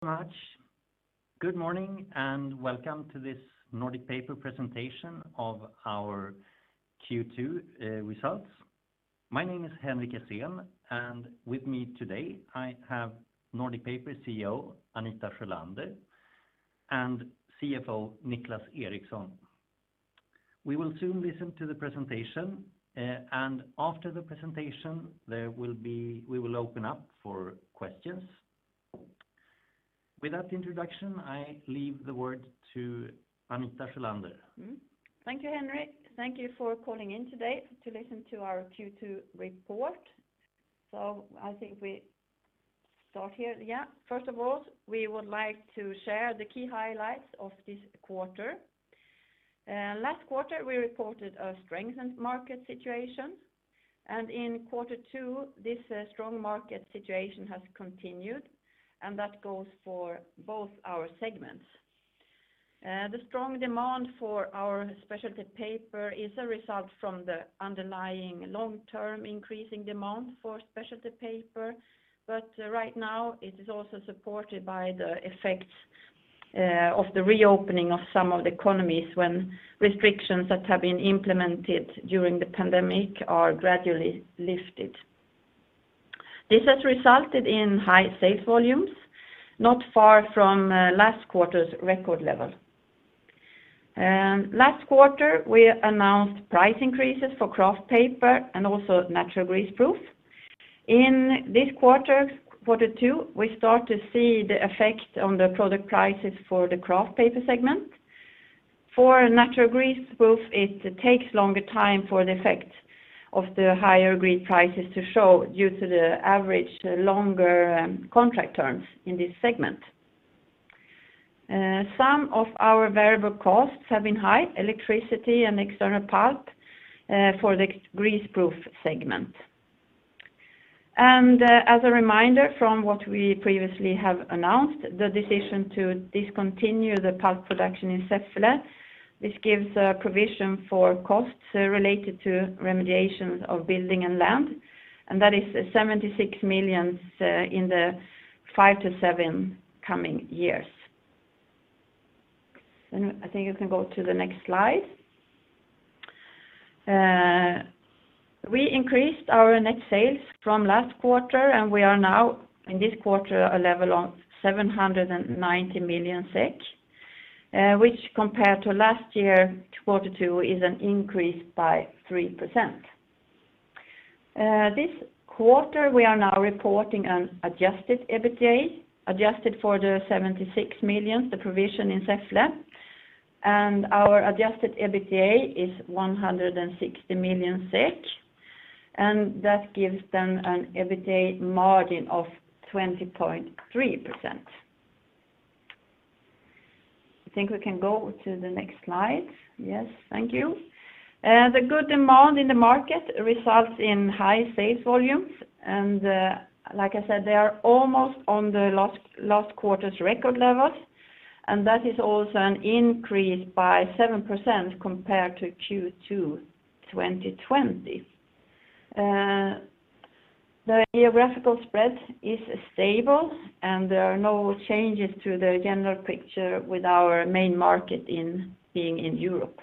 Thank you so much. Good morning, and welcome to this Nordic Paper presentation of our Q2 results. My name is Henrik Essén, and with me today I have Nordic Paper CEO, Anita Sjölander, and CFO, Niclas Eriksson. We will soon listen to the presentation, and after the presentation, we will open up for questions. With that introduction, I leave the word to Anita Sjölander. Thank you, Henrik. Thank you for calling in today to listen to our Q2 report. I think we start here, yeah. First of all, we would like to share the key highlights of this quarter. Last quarter, we reported a strengthened market situation. In quarter two, this strong market situation has continued. That goes for both our segments. The strong demand for our specialty paper is a result from the underlying long-term increasing demand for specialty paper. Right now, it is also supported by the effects of the reopening of some of the economies when restrictions that have been implemented during the pandemic are gradually lifted. This has resulted in high sales volumes, not far from last quarter's record level. Last quarter, we announced price increases for kraft paper and also Natural Greaseproof. In this quarter two, we start to see the effect on the product prices for the kraft paper segment. For Natural Greaseproof, it takes longer time for the effect of the higher grade prices to show due to the average longer contract terms in this segment. Some of our variable costs have been high, electricity and external pulp for the greaseproof segment. As a reminder from what we previously have announced, the decision to discontinue the pulp production in Säffle. This gives a provision for costs related to remediations of building and land, and that is 76 million in the five to seven coming years. I think you can go to the next slide. We increased our net sales from last quarter, and we are now in this quarter a level of 790 million SEK, which compared to last year, quarter two, is an increase by 3%. This quarter, we are now reporting an Adjusted EBITDA, adjusted for the 76 million, the provision in Säffle. Our Adjusted EBITDA is 160 million SEK, and that gives then an EBITDA margin of 20.3%. I think we can go to the next slide. Yes, thank you. The good demand in the market results in high sales volumes, and like I said, they are almost on the last quarter's record levels, and that is also an increase by 7% compared to Q2 2020. The geographical spread is stable, and there are no changes to the general picture with our main market being in Europe.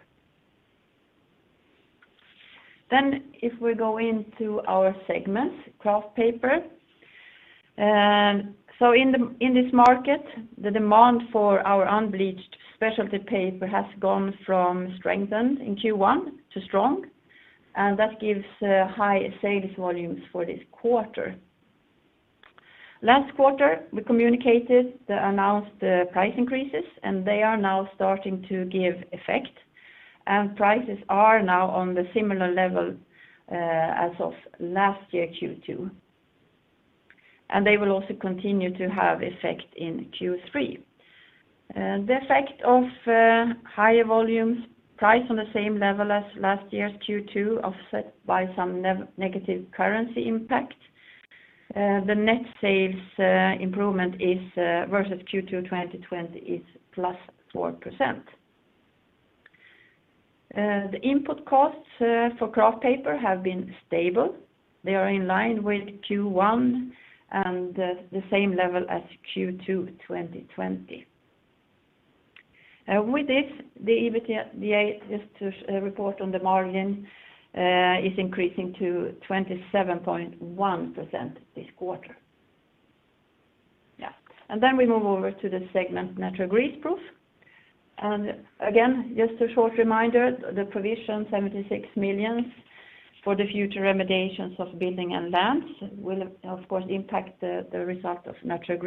If we go into our segments, kraft paper. In this market, the demand for our unbleached specialty paper has gone from strengthened in Q1 to strong, and that gives high sales volumes for this quarter. Last quarter, we communicated the announced price increases, they are now starting to give effect. Prices are now on the similar level as of last year, Q2. They will also continue to have effect in Q3. The effect of higher volumes, price on the same level as last year's Q2, offset by some negative currency impact. The net sales improvement versus Q2 2020 is +4%. The input costs for kraft paper have been stable. They are in line with Q1 and the same level as Q2 2020. With this, the EBITDA, just to report on the margin, is increasing to 27.1% this quarter. Yeah. We move over to the segment Natural Greaseproof. Again, just a short reminder, the provision 76 million for the future remediations of building and lands will, of course, impact the result of Natural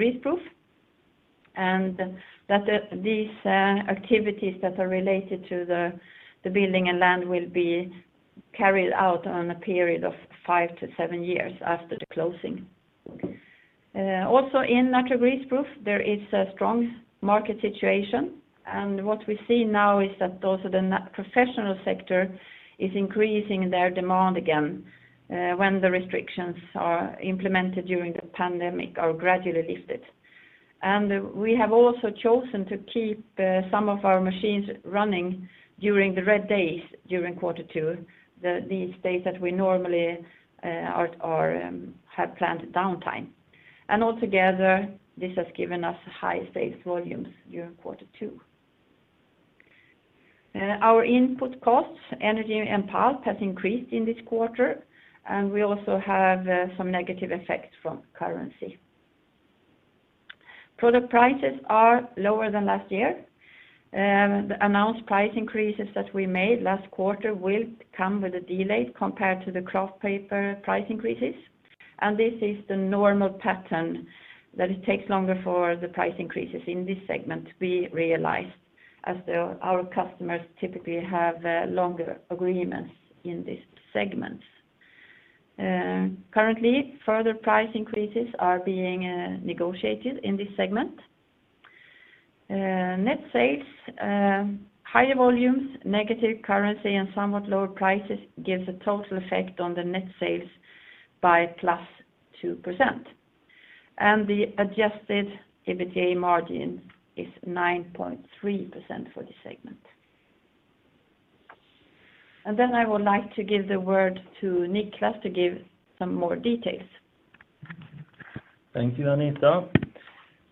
Greaseproof. That these activities that are related to the building and land will be carried out on a period of five to seven years after the closing. In Natural Greaseproof, there is a strong market situation, and what we see now is that also the professional sector is increasing their demand again when the restrictions implemented during the pandemic are gradually lifted. We have also chosen to keep some of our machines running during the red days during quarter two, these days that we normally have planned downtime. Altogether, this has given us high sales volumes during quarter two. Our input costs, energy and pulp, have increased in this quarter, and we also have some negative effects from currency. Product prices are lower than last year. The announced price increases that we made last quarter will come with a delay compared to the kraft paper price increases. This is the normal pattern, that it takes longer for the price increases in this segment to be realized, as our customers typically have longer agreements in these segments. Currently, further price increases are being negotiated in this segment. Net sales, higher volumes, negative currency, and somewhat lower prices gives a total effect on the net sales by +2%. The Adjusted EBITDA margin is 9.3% for this segment. Then I would like to give the word to Niclas to give some more details. Thank you, Anita.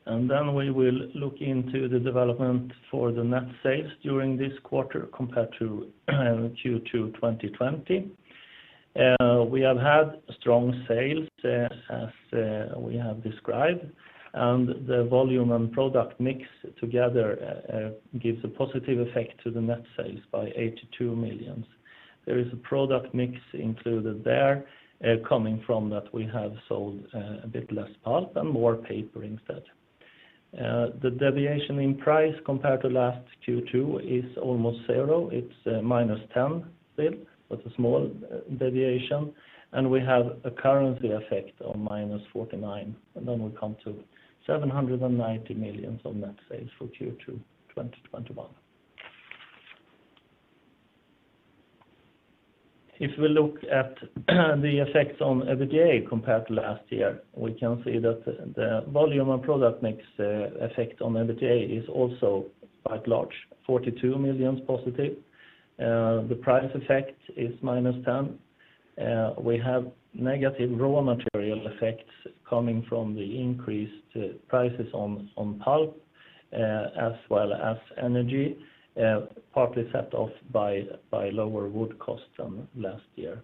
Then we will look into the development for the net sales during this quarter compared to Q2 2020. We have had strong sales, as we have described, the volume and product mix together gives a positive effect to the net sales by 82 million. There is a product mix included there, coming from that we have sold a bit less pulp and more paper instead. The deviation in price compared to last Q2 is almost zero. It's -10 million still, a small deviation, we have a currency effect of -49 million, we come to 790 million on net sales for Q2 2021. If we look at the effects on EBITDA compared to last year, we can see that the volume and product mix effect on EBITDA is also quite large, 42 million+. The price effect is -10 million. We have negative raw material effects coming from the increased prices on pulp, as well as energy, partly set off by lower wood cost than last year.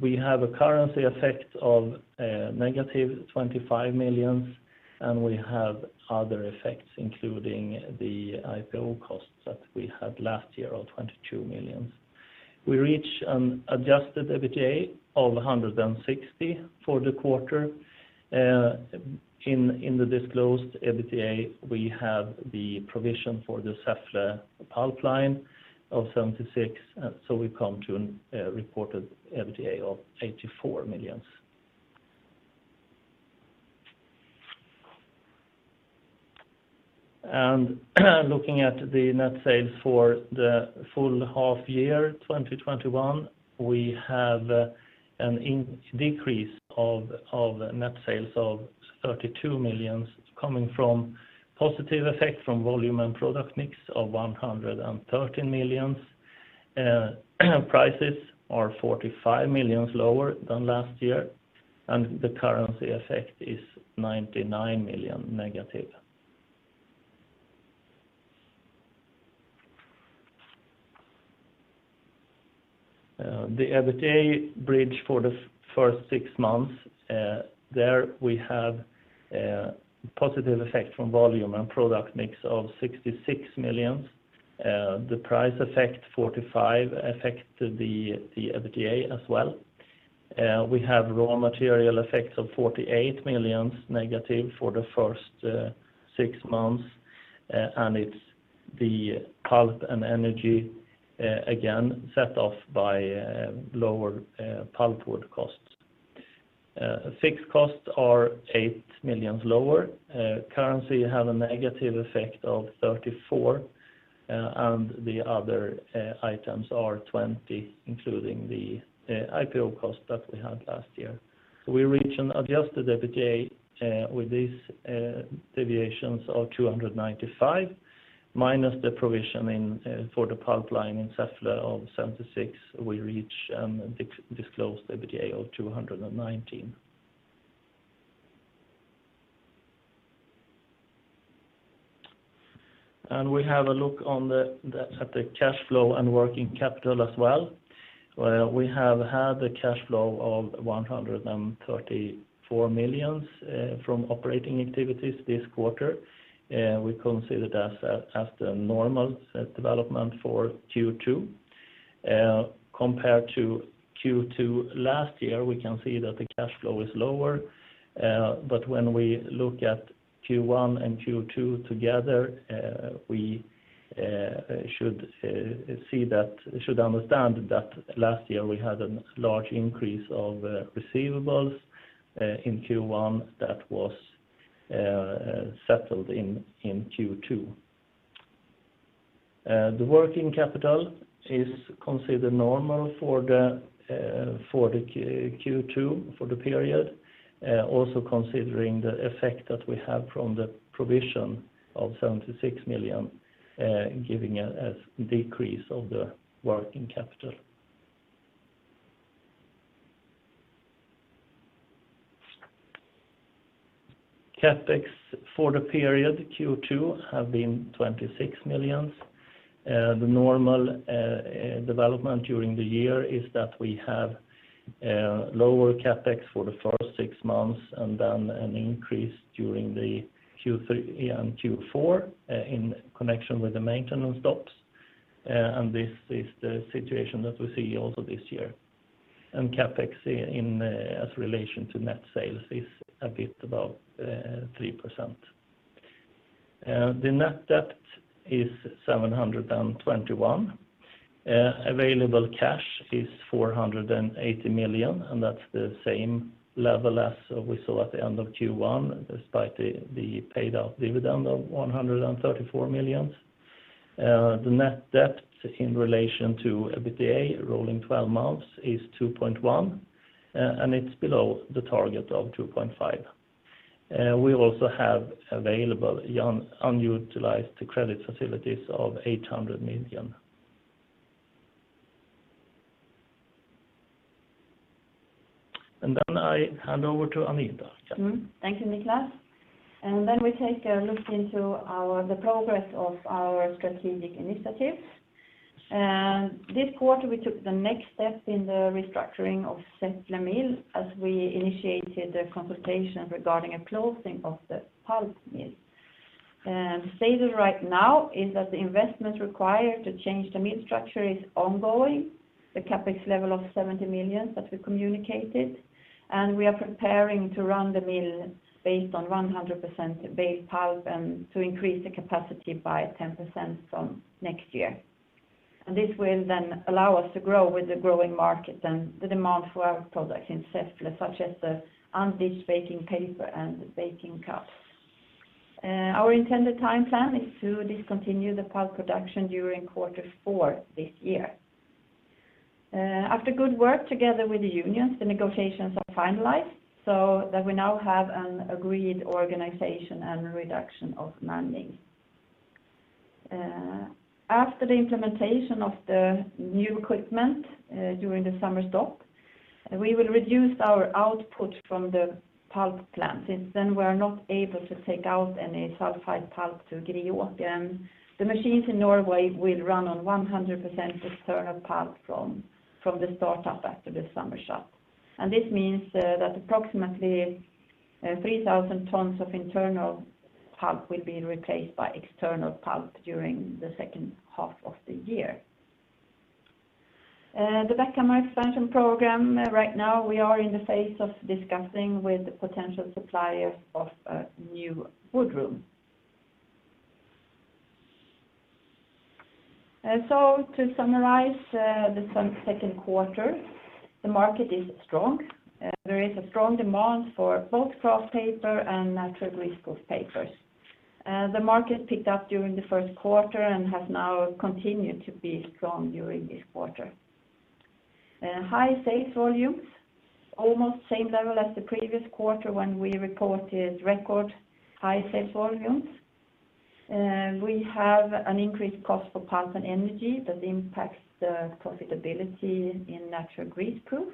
We have a currency effect of -25 million. We have other effects, including the IPO costs that we had last year of 22 million. We reach an Adjusted EBITDA of 160 million for the quarter. In the disclosed EBITDA, we have the provision for the Säffle pulp line of 76 million. We come to a reported EBITDA of 84 million. Looking at the net sales for the full half year 2021, we have a decrease of net sales of 32 million coming from positive effect from volume and product mix of 113 million. Prices are 45 million lower than last year. The currency effect is -99 million. The EBITDA bridge for the first six months, there we have a positive effect from volume and product mix of 66 million. The price effect, 45 million, affected the EBITDA as well. We have raw material effects of -48 million for the first six months, and it's the pulp and energy, again set off by lower pulpwood costs. Fixed costs are 8 million lower. Currency had a negative effect of 34 million, and the other items are 20 million, including the IPO cost that we had last year. We reach an Adjusted EBITDA with these deviations of 295 million, minus the provision for the pulp line in Säffle of 76 million. We reach a disclosed EBITDA of 219 million. We have a look at the cash flow and working capital as well, where we have had a cash flow of 134 million from operating activities this quarter. We consider it as the normal development for Q2. Compared to Q2 last year, we can see that the cash flow is lower. When we look at Q1 and Q2 together, we should understand that last year we had a large increase of receivables in Q1 that was settled in Q2. The working capital is considered normal for the Q2, for the period, also considering the effect that we have from the provision of 76 million, giving a decrease of the working capital. CapEx for the period Q2 have been 26 million. The normal development during the year is that we have lower CapEx for the first six months and then an increase during the Q3 and Q4 in connection with the maintenance stops. This is the situation that we see also this year. CapEx in as relation to net sales is a bit above 3%. The net debt is 721 million. Available cash is 480 million, and that's the same level as we saw at the end of Q1, despite the paid-out dividend of 134 million. The net debt in relation to EBITDA, rolling 12 months, is 2.1, and it's below the target of 2.5. We also have available unutilized credit facilities of SEK 800 million. Then I hand over to Anita. Thank you, Niclas. We take a look into the progress of our strategic initiatives. This quarter, we took the next step in the restructuring of Säffle mill as we initiated a consultation regarding a closing of the pulp mill. The status right now is that the investment required to change the mill structure is ongoing, the CapEx level of 70 million that we communicated, and we are preparing to run the mill based on 100% bought pulp and to increase the capacity by 10% from next year. This will then allow us to grow with the growing market and the demand for our product in Säffle, such as the unbleached baking paper and the baking cups. Our intended time plan is to discontinue the pulp production during Q4 this year. After good work together with the unions, the negotiations are finalized so that we now have an agreed organization and reduction of manning. After the implementation of the new equipment during the summer stop, we will reduce our output from the pulp plant, since then we are not able to take out any sulfite pulp to Greåker. The machines in Norway will run on 100% external pulp from the start-up after the summer shut. This means that approximately 3,000 tons of internal pulp will be replaced by external pulp during the second half of the year. The Bäckhammar expansion program, right now we are in the phase of discussing with potential suppliers of a new wood room. To summarize the second quarter, the market is strong. There is a strong demand for both kraft paper and Natural Greaseproof papers. The market picked up during the first quarter and has now continued to be strong during this quarter. High sales volumes, almost same level as the previous quarter when we reported record high sales volumes. We have an increased cost for pulp and energy that impacts the profitability in Natural Greaseproof.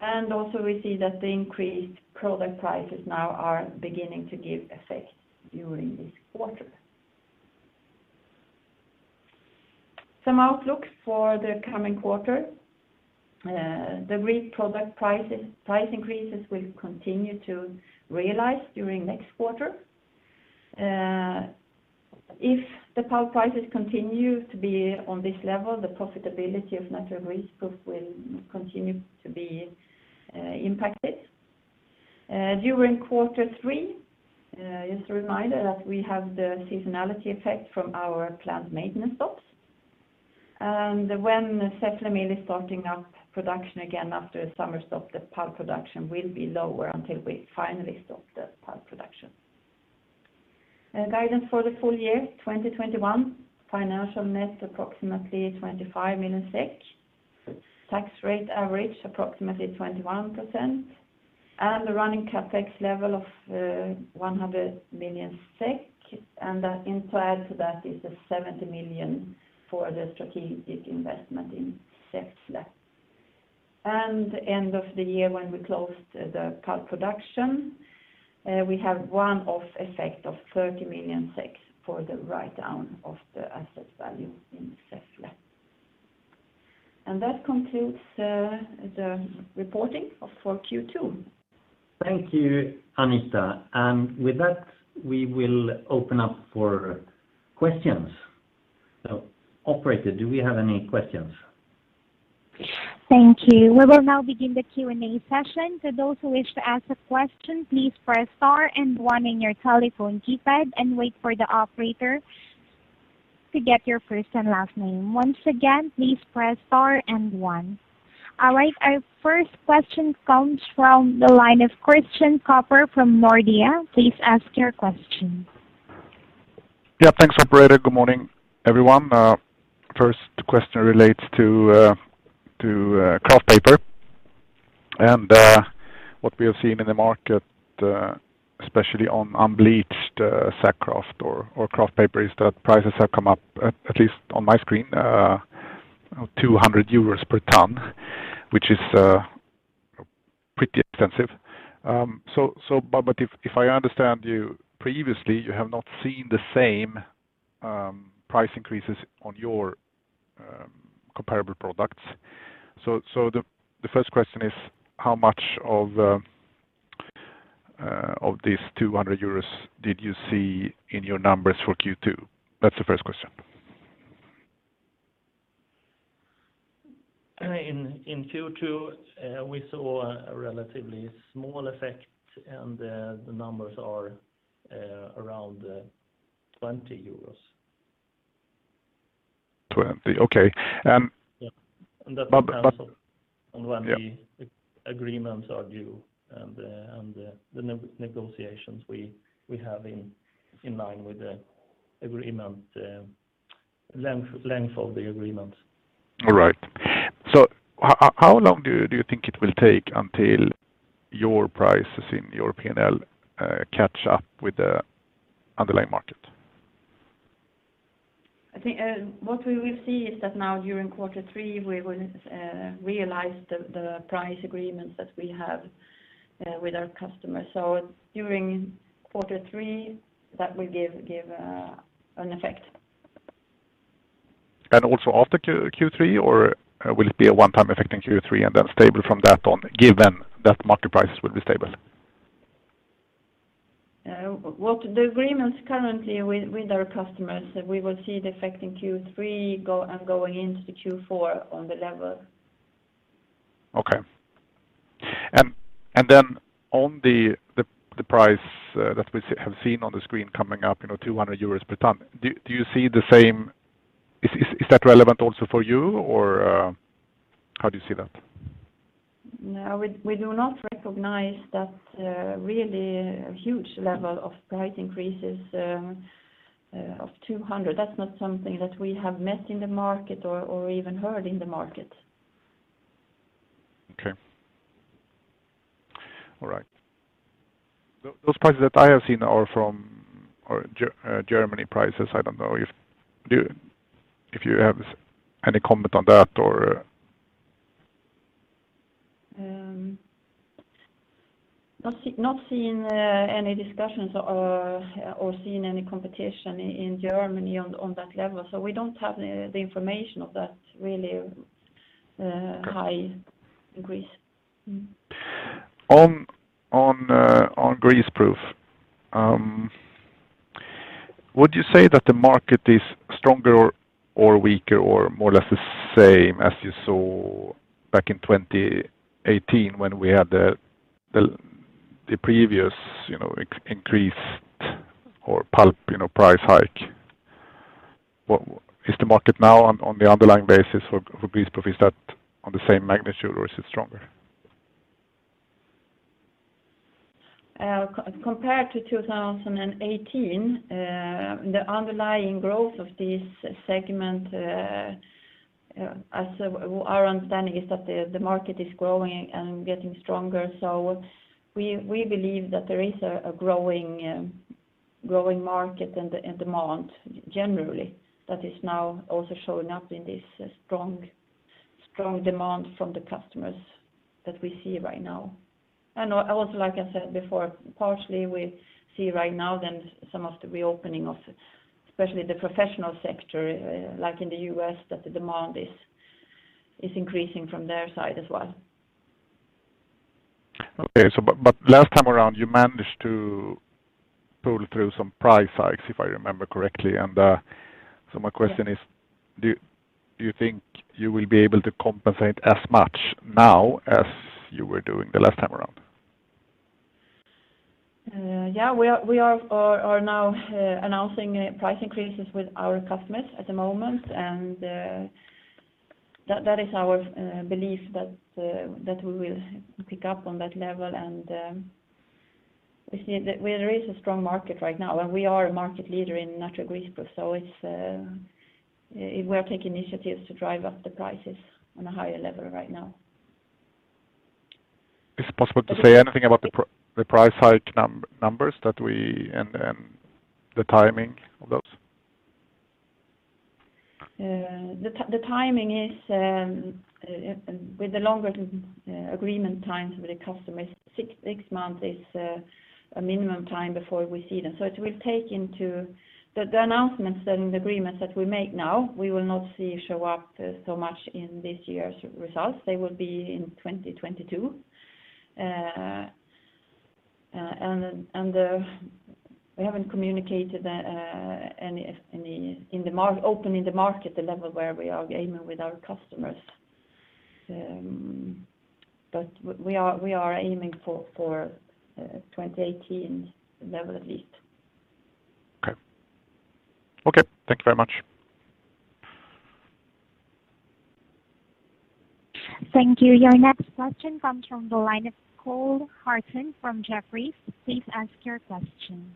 Also we see that the increased product prices now are beginning to give effect during this quarter. Some outlook for the coming quarter. The kraft product price increases will continue to realize during next quarter. If the pulp prices continue to be on this level, the profitability of Natural Greaseproof will continue to be impacted. During Q3, just a reminder that we have the seasonality effect from our plant maintenance stops. When the Säffle mill is starting up production again after the summer stop, the pulp production will be lower until we finally stop the pulp production. Guidance for the full year 2021, financial net approximately 25 million SEK, tax rate average approximately 21%, and the running CapEx level of 100 million SEK, and that inside that is the 70 million for the strategic investment in Säffle. End of the year when we closed the pulp production, we have one-off effect of 30 million for the write-down of the asset value in Säffle. That concludes the reporting for Q2. Thank you, Anita. With that, we will open up for questions. Operator, do we have any questions? Thank you. We will now begin the Q&A session. All right, our first question comes from the line of Christian Kopfer from Nordea. Please ask your question. Yeah, thanks, operator. Good morning, everyone. First question relates to kraft paper. What we have seen in the market, especially on unbleached sack kraft or kraft paper, is that prices have come up, at least on my screen 200 euros per ton, which is pretty expensive. If I understand you previously, you have not seen the same price increases on your comparable products. The first question is, how much of these 200 euros did you see in your numbers for Q2? That's the first question. In Q2, we saw a relatively small effect. The numbers are around 20 euros. 20. Okay. Yeah. Yeah. When the agreements are due and the negotiations we have in line with the agreement, length of the agreement. All right. How long do you think it will take until your prices in your P&L catch up with the underlying market? I think what we will see is that now during Q3, we will realize the price agreements that we have with our customers. It's during Q3 that will give an effect. Also after Q3, or will it be a one-time effect in Q3 and then stable from that on, given that market prices will be stable? The agreements currently with our customers, we will see the effect in Q3 and going into Q4 on the level. Okay. Then on the price that we have seen on the screen coming up, 200 euros per ton, is that relevant also for you or how do you see that? We do not recognize that really huge level of price increases of 200. That's not something that we have met in the market or even heard in the market. Okay. All right. Those prices that I have seen are from Germany prices. I don't know if you have any comment on that or? Not seen any discussions or seen any competition in Germany on that level. We don't have the information of that really high increase. On greaseproof. Would you say that the market is stronger or weaker or more or less the same as you saw back in 2018 when we had the previous increased pulp price hike? Is the market now on the underlying basis for greaseproof, is that on the same magnitude or is it stronger? Compared to 2018, the underlying growth of this segment, our understanding is that the market is growing and getting stronger. We believe that there is a growing market and demand generally that is now also showing up in this strong demand from the customers that we see right now. Like I said before, partially we see right now then some of the reopening of especially the professional sector, like in the U.S., that the demand is increasing from their side as well. Okay. Last time around, you managed to pull through some price hikes, if I remember correctly. My question is, do you think you will be able to compensate as much now as you were doing the last time around? Yeah, we are now announcing price increases with our customers at the moment. That is our belief that we will pick up on that level. There is a strong market right now. We are a market leader in Natural Greaseproof. We're taking initiatives to drive up the prices on a higher level right now. Is it possible to say anything about the price hike numbers and the timing of those? The timing is with the longer agreement times with the customers, six months is a minimum time before we see them. The announcements and the agreements that we make now, we will not see show up so much in this year's results. They will be in 2022. We haven't communicated openly in the market the level where we are aiming with our customers. We are aiming for 2018 level at least. Okay. Thank you very much. Thank you. Your next question comes from the line of Cole Hathorn from Jefferies. Please ask your question.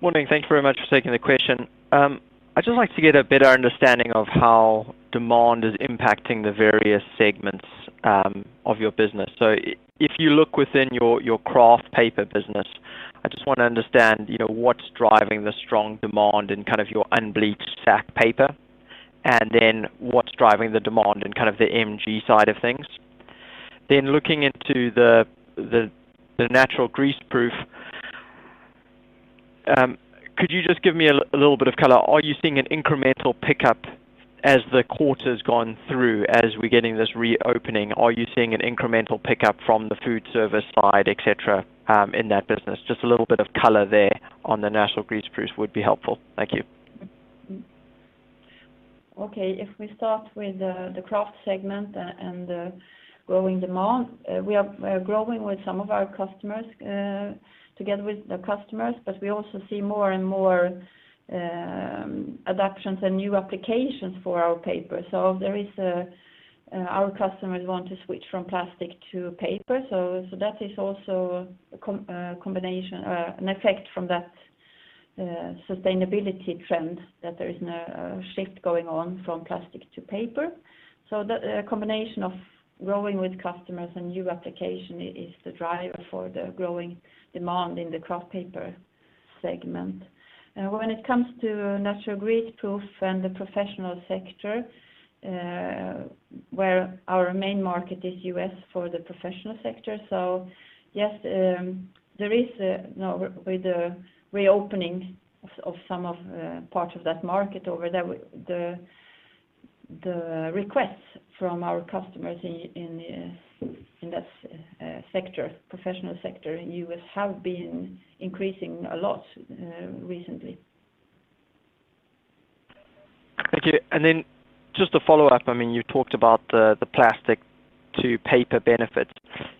Morning. Thank you very much for taking the question. I'd just like to get a better understanding of how demand is impacting the various segments of your business. If you look within your kraft paper business, I just want to understand what's driving the strong demand in your unbleached sack paper, and then what's driving the demand in the MG side of things. Looking into the Natural Greaseproof, could you just give me a little bit of color? Are you seeing an incremental pickup as the quarter's gone through, as we're getting this reopening? Are you seeing an incremental pickup from the food service side, et cetera, in that business? Just a little bit of color there on the Natural Greaseproof would be helpful. Thank you. Okay. If we start with the Kraft segment and the growing demand, we are growing with some of our customers, together with the customers, but we also see more and more adaptations and new applications for our paper. Our customers want to switch from plastic to paper. That is also an effect from that sustainability trend, that there is now a shift going on from plastic to paper. The combination of growing with customers and new application is the driver for the growing demand in the Kraft paper segment. When it comes to Natural Greaseproof and the professional sector, where our main market is U.S. for the professional sector. Yes, with the reopening of some of parts of that market over there, the requests from our customers in that professional sector in U.S. have been increasing a lot recently. Thank you. Then just to follow up, you talked about the plastic to paper benefits.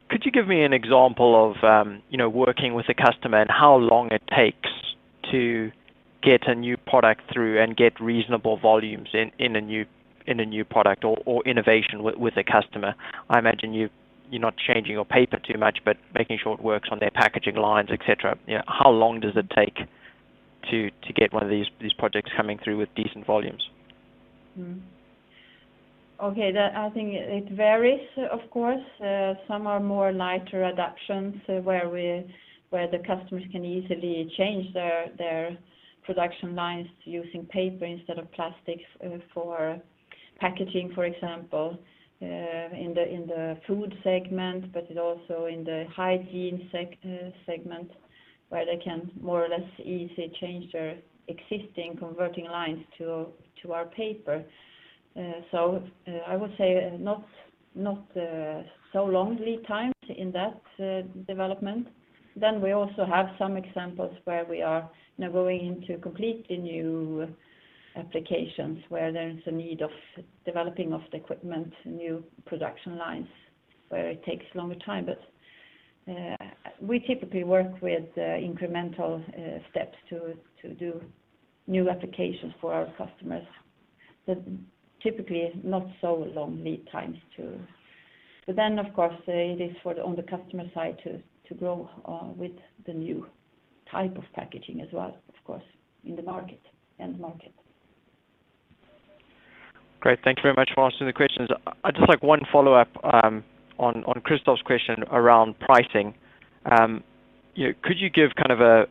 Could you give me an example of working with a customer and how long it takes to get a new product through and get reasonable volumes in a new product or innovation with a customer? I imagine you're not changing your paper too much, but making sure it works on their packaging lines, et cetera. How long does it take to get one of these projects coming through with decent volumes? Okay. I think it varies, of course. Some are more lighter adaptations, where the customers can easily change their production lines using paper instead of plastic for packaging, for example, in the food segment, but also in the hygiene segment, where they can more or less easily change their existing converting lines to our paper. I would say not so long lead times in that development. We also have some examples where we are now going into completely new applications, where there is a need of developing of the equipment, new production lines, where it takes longer time. We typically work with incremental steps to do new applications for our customers. Typically, not so long lead times too. Of course, it is on the customer side to grow with the new type of packaging as well, of course, in the end market. Great. Thank you very much for answering the questions. I'd just like one follow-up on Christian's question around pricing. Could you give a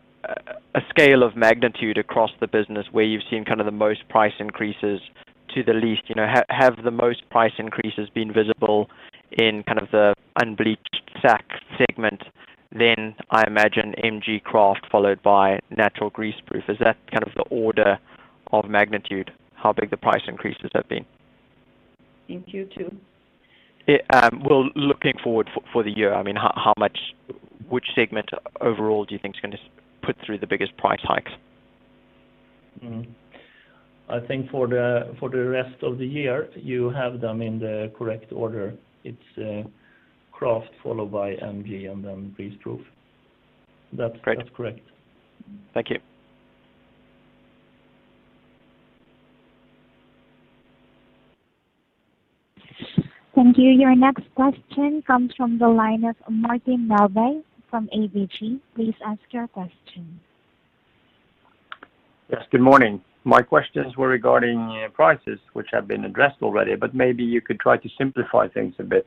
scale of magnitude across the business where you've seen the most price increases to the least? Have the most price increases been visible in the unbleached sack segment then, I imagine, MG kraft followed by Natural Greaseproof? Is that the order of magnitude, how big the price increases have been? In Q2? Well, looking forward for the year. Which segment overall do you think is going to put through the biggest price hikes? I think for the rest of the year, you have them in the correct order. It's kraft followed by MG and then greaseproof. Great. That's correct. Thank you. Thank you. Your next question comes from the line of Martin Melbye from ABG. Please ask your question. Yes, good morning. My questions were regarding prices, which have been addressed already, but maybe you could try to simplify things a bit.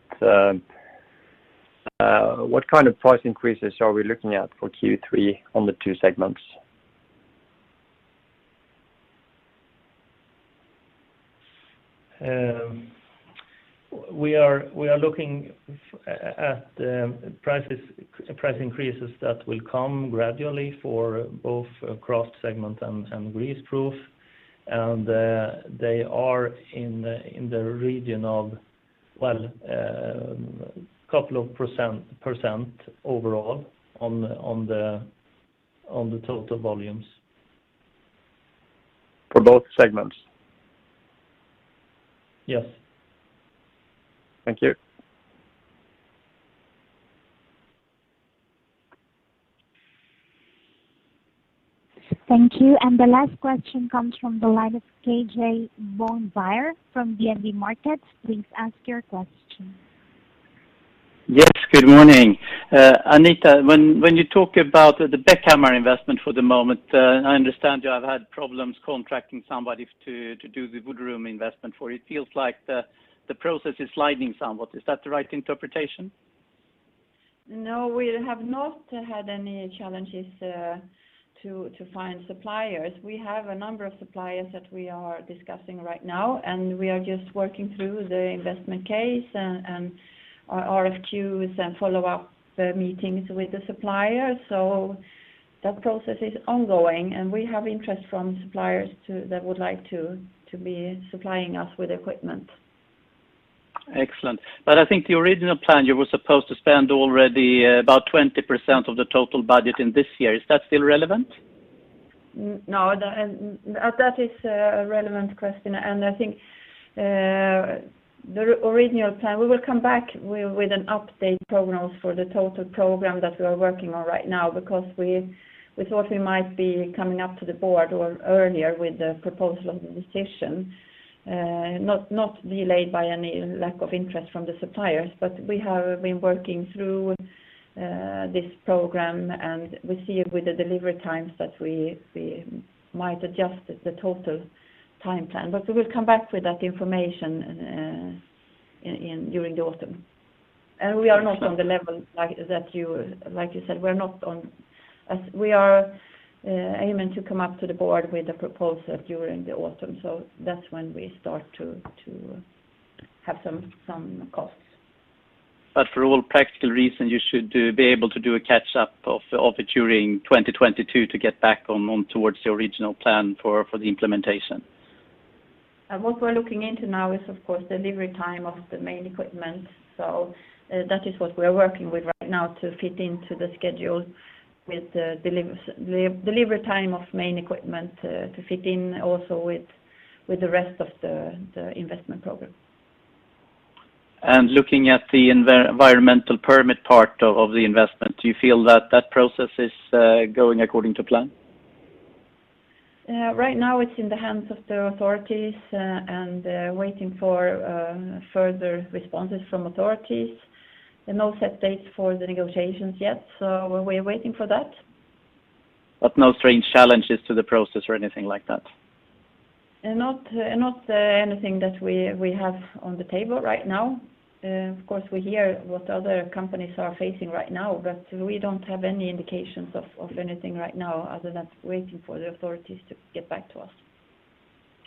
What kind of price increases are we looking at for Q3 on the two segments? We are looking at price increases that will come gradually for both Kraft segment and Greaseproof. They are in the region of a couple of % overall on the total volumes. For both segments? Yes. Thank you. Thank you. The last question comes from the line of KJ Bonnevier from DNB Markets. Please ask your question. Yes, good morning. Anita, when you talk about the Bäckhammar investment for the moment, I understand you have had problems contracting somebody to do the wood room investment for. It feels like the process is sliding somewhat. Is that the right interpretation? No, we have not had any challenges to find suppliers. We have a number of suppliers that we are discussing right now, and we are just working through the investment case and our RFQs and follow-up meetings with the suppliers. That process is ongoing, and we have interest from suppliers that would like to be supplying us with equipment. Excellent. I think the original plan, you were supposed to spend already about 20% of the total budget in this year. Is that still relevant? No. That is a relevant question, and I think the original plan, we will come back with an update program for the total program that we are working on right now, because we thought we might be coming up to the board or earlier with the proposal of the decision, not delayed by any lack of interest from the suppliers. We have been working through this program, and we see with the delivery times that we might adjust the total time plan. We will come back with that information during the autumn. We are not on the level, like you said. We are aiming to come up to the board with the proposal during the autumn. That's when we start to have some costs. For all practical reasons, you should be able to do a catch-up of it during 2022 to get back towards the original plan for the implementation? What we're looking into now is, of course, delivery time of the main equipment. That is what we are working with right now to fit into the schedule with the delivery time of main equipment to fit in also with the rest of the investment program. Looking at the environmental permit part of the investment, do you feel that process is going according to plan? Right now it's in the hands of the authorities and waiting for further responses from authorities. No set dates for the negotiations yet. We're waiting for that. No strange challenges to the process or anything like that? Not anything that we have on the table right now. Of course, we hear what other companies are facing right now, but we don't have any indications of anything right now other than waiting for the authorities to get back to us.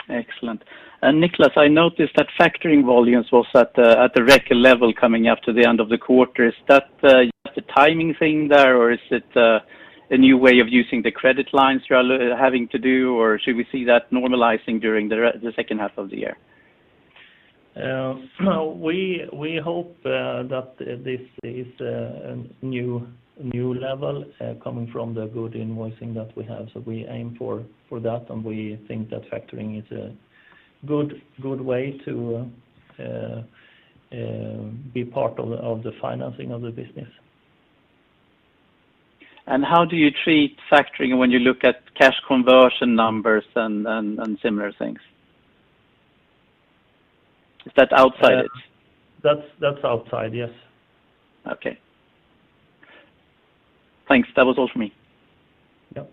Excellent. Niclas, I noticed that factoring volumes was at the record level coming up to the end of the quarter. Is that just a timing thing there, or is it a new way of using the credit lines you are having to do, or should we see that normalizing during the second half of the year? We hope that this is a new level coming from the good invoicing that we have. We aim for that, and we think that factoring is a good way to be part of the financing of the business. How do you treat factoring when you look at cash conversion numbers and similar things? Is that outside it? That's outside, yes. Okay. Thanks. That was all for me. Yeah.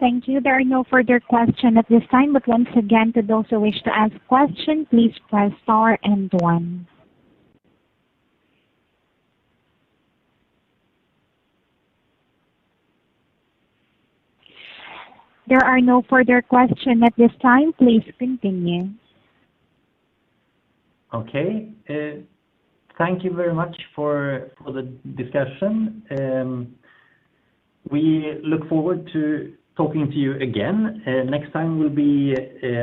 Thank you. There are no further question at this time. Once again, to those who wish to ask question, please press star and one. There are no further question at this time. Please continue. Okay. Thank you very much for the discussion. We look forward to talking to you again. Next time will be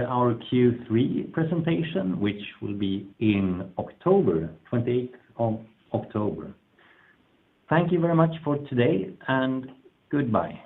our Q3 presentation, which will be in October, 28th of October. Thank you very much for today, and goodbye.